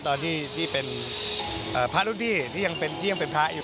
ตอนที่เป็นพระรุ่นพี่ที่ยังเป็นพระอยู่